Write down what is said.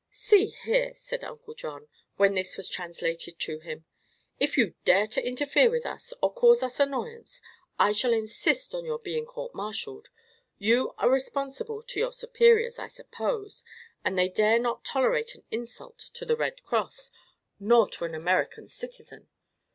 "See here," said Uncle John, when this was translated to him, "if you dare to interfere with us, or cause us annoyance, I shall insist on your being courtmartialed. You are responsible to your superiors, I suppose, and they dare not tolerate an insult to the Red Cross, nor to an American citizen.